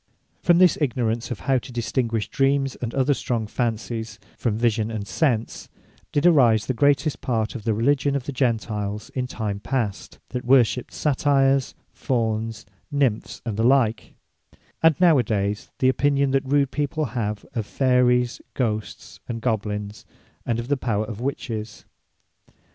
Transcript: From this ignorance of how to distinguish Dreams, and other strong Fancies, from vision and Sense, did arise the greatest part of the Religion of the Gentiles in time past, that worshipped Satyres, Fawnes, nymphs, and the like; and now adayes the opinion than rude people have of Fayries, Ghosts, and Goblins; and of the power of Witches.